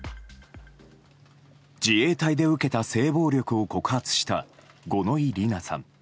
自衛隊で受けた性暴力を告発した、五ノ井里奈さん。